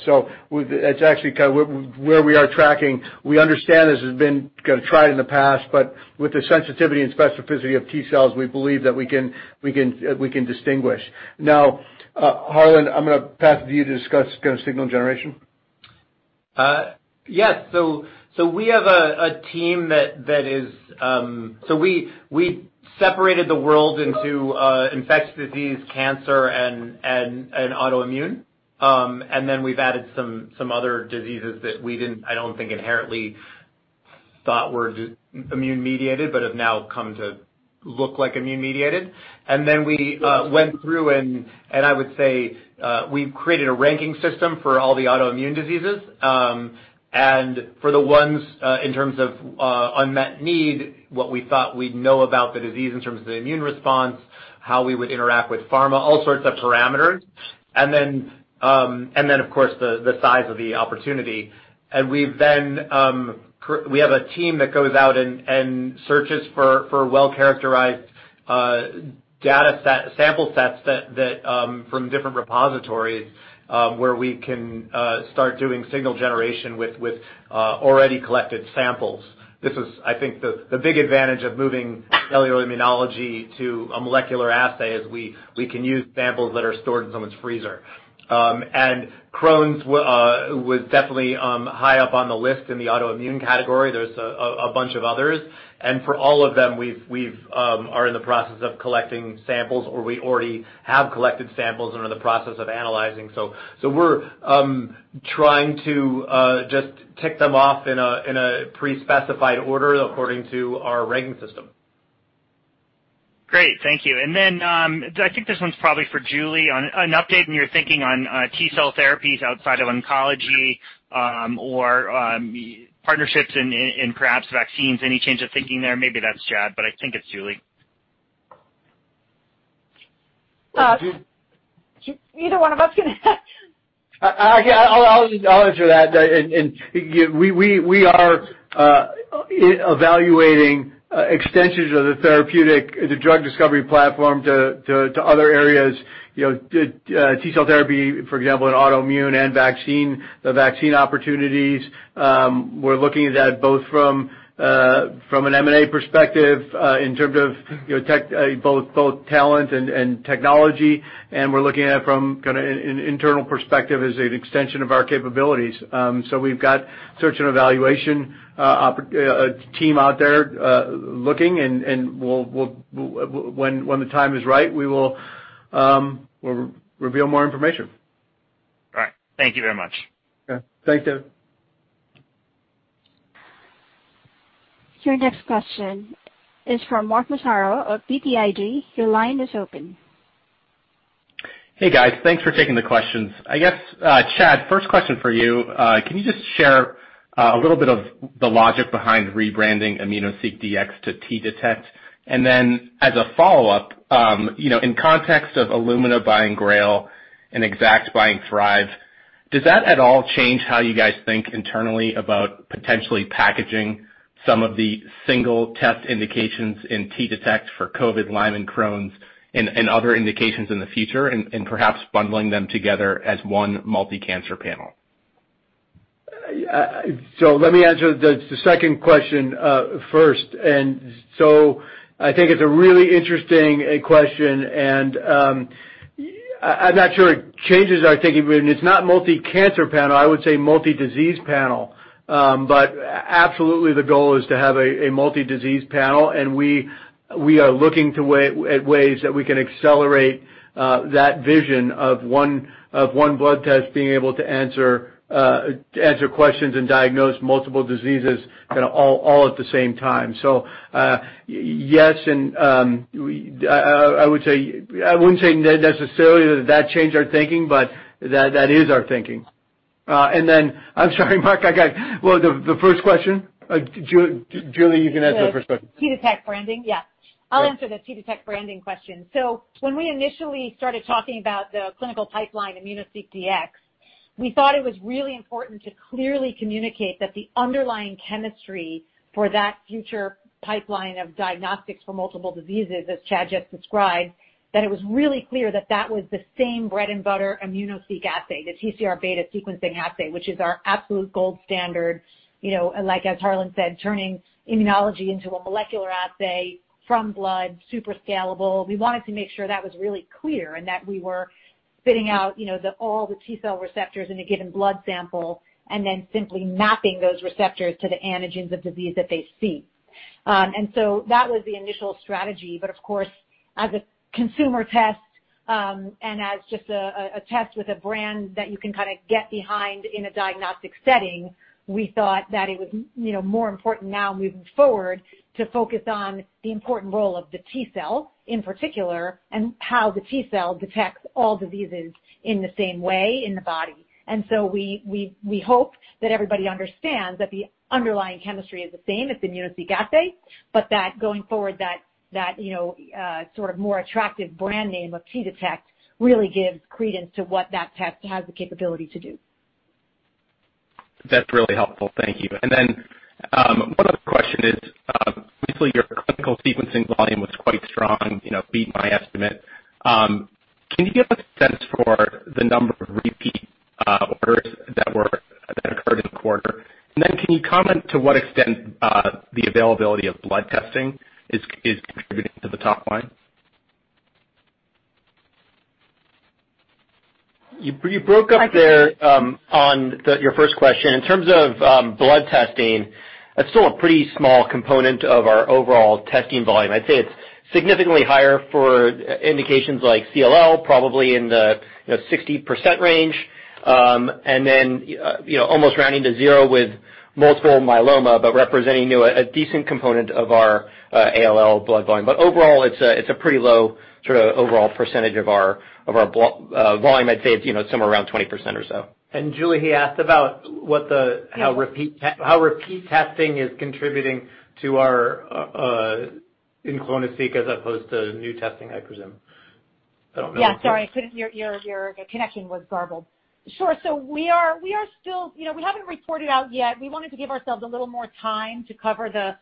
Where we are tracking, we understand this has been tried in the past, but with the sensitivity and specificity of T cells, we believe that we can distinguish. Harlan, I'm going to pass it to you to discuss signal generation. Yes. We have a team that separated the world into infectious disease, cancer, and autoimmune. Then we've added some other diseases that we didn't, I don't think, inherently thought were immune-mediated, but have now come to look like immune-mediated. Then we went through and I would say, we've created a ranking system for all the autoimmune diseases. For the ones, in terms of unmet need, what we thought we'd know about the disease in terms of the immune response, how we would interact with pharma, all sorts of parameters. Then, of course, the size of the opportunity. We have a team that goes out and searches for well-characterized data sample sets from different repositories, where we can start doing signal generation with already collected samples. This is, I think, the big advantage of moving cellular immunology to a molecular assay, is we can use samples that are stored in someone's freezer. Crohn's was definitely high up on the list in the autoimmune category. There's a bunch of others. For all of them, we are in the process of collecting samples, or we already have collected samples and are in the process of analyzing. We're trying to just tick them off in a pre-specified order according to our ranking system. Great. Thank you. I think this one's probably for Julie on an update on your thinking on T-cell therapies outside of oncology, or partnerships in perhaps vaccines. Any change of thinking there? Maybe that's Chad, but I think it's Julie. Either one of us can answer. I'll answer that. We are evaluating extensions of the therapeutic, the drug discovery platform, to other areas, T-cell therapy, for example, in autoimmune and the vaccine opportunities. We're looking at that both from an M&A perspective, in terms of both talent and technology, and we're looking at it from an internal perspective as an extension of our capabilities. We've got a search and evaluation team out there looking, and when the time is right, We'll reveal more information. All right. Thank you very much. Okay. Thanks, David. Your next question is from Mark Massaro of BTIG. Your line is open. Hey, guys. Thanks for taking the questions. I guess, Chad, first question for you, can you just share a little bit of the logic behind rebranding immunoSEQ Dx to T-Detect? As a follow-up, in context of Illumina buying Grail and Exact buying Thrive, does that at all change how you guys think internally about potentially packaging some of the single test indications in T-Detect for COVID-19, Lyme, and Crohn's and other indications in the future, and perhaps bundling them together as one multi-cancer panel? Let me answer the second question first. I think it's a really interesting question, and I'm not sure it changes our thinking, but it's not multi-cancer panel, I would say multi-disease panel. Absolutely the goal is to have a multi-disease panel, and we are looking at ways that we can accelerate that vision of one blood test being able to answer questions and diagnose multiple diseases all at the same time. Yes, and I wouldn't say necessarily that that changed our thinking, but that is our thinking. Then, I'm sorry, Mark, the first question, Julie, you can answer the first question. The T-Detect branding? Yeah. Yeah. I'll answer the T-Detect branding question. When we initially started talking about the clinical pipeline immunoSEQ Dx, we thought it was really important to clearly communicate that the underlying chemistry for that future pipeline of diagnostics for multiple diseases, as Chad just described, that it was really clear that that was the same bread-and-butter immunoSEQ assay, the TCR beta sequencing assay, which is our absolute gold standard, like as Harlan said, turning immunology into a molecular assay from blood, super scalable. We wanted to make sure that was really clear and that we were spitting out all the T-cell receptors in a given blood sample and then simply mapping those receptors to the antigens of disease that they see. That was the initial strategy. Of course, as a consumer test, and as just a test with a brand that you can get behind in a diagnostic setting, we thought that it was more important now moving forward to focus on the important role of the T-cell, in particular, and how the T-cell detects all diseases in the same way in the body. We hope that everybody understands that the underlying chemistry is the same, it's immunoSEQ assay, but that going forward, that sort of more attractive brand name of T-Detect really gives credence to what that test has the capability to do. That's really helpful. Thank you. One other question is, recently your clinical sequencing volume was quite strong, beat my estimate. Can you give a sense for the number of repeat orders that occurred in the quarter? Can you comment to what extent the availability of blood testing is contributing to the top line? You broke up there on your first question. In terms of blood testing, that's still a pretty small component of our overall testing volume. I'd say it's significantly higher for indications like CLL, probably in the 60% range, and then almost rounding to 0 with multiple myeloma, but representing a decent component of our ALL blood volume. Overall, it's a pretty low sort of overall percentage of our volume. I'd say it's somewhere around 20% or so. Julie, he asked about how repeat testing is contributing to our, in clonoSEQ, as opposed to new testing, I presume. I don't know. Yeah. Sorry, your connection was garbled. Sure. We haven't reported out yet. We wanted to give ourselves a little more time to cover the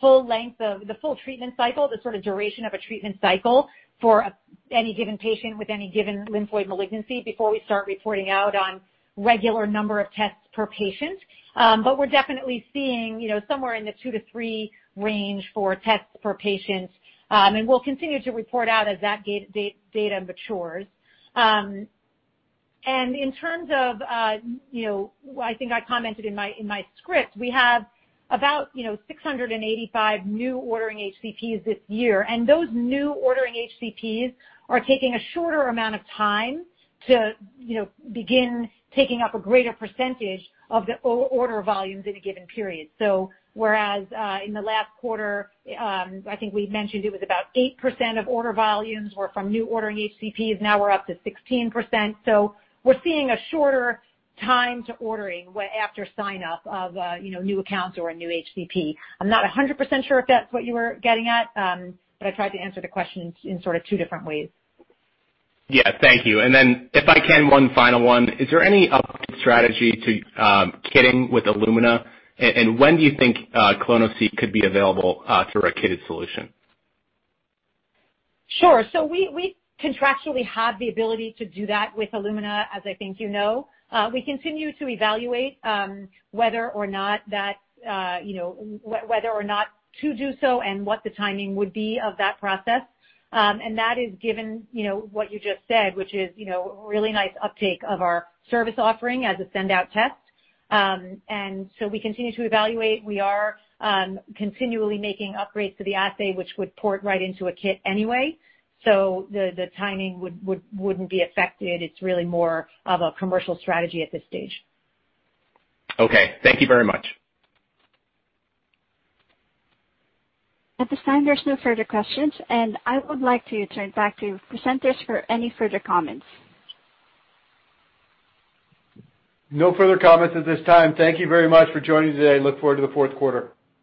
full length of the full treatment cycle, the sort of duration of a treatment cycle for any given patient with any given lymphoid malignancy before we start reporting out on regular number of tests per patient. We're definitely seeing somewhere in the two to three range for tests per patient, and we'll continue to report out as that data matures. In terms of, I think I commented in my script, we have about 685 new ordering HCPs this year, and those new ordering HCPs are taking a shorter amount of time to begin taking up a greater percentage of the order volumes in a given period. Whereas in the last quarter, I think we mentioned it was about 8% of order volumes were from new ordering HCPs, now we're up to 16%. We're seeing a shorter time to ordering after sign-up of new accounts or a new HCP. I'm not 100% sure if that's what you were getting at, but I tried to answer the question in sort of two different ways. Yeah. Thank you. If I can, one final one, is there any updated strategy to kitting with Illumina? When do you think clonoSEQ could be available through a kitted solution? Sure. We contractually have the ability to do that with Illumina, as I think you know. We continue to evaluate whether or not to do so and what the timing would be of that process. That is given what you just said, which is really nice uptake of our service offering as a send-out test. We continue to evaluate. We are continually making upgrades to the assay, which would port right into a kit anyway. The timing wouldn't be affected. It's really more of a commercial strategy at this stage. Okay. Thank you very much. At this time, there's no further questions, and I would like to turn back to presenters for any further comments. No further comments at this time. Thank you very much for joining today. Look forward to the fourth quarter.